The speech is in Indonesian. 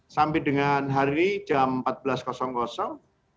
sampai dengan hari jam empat belas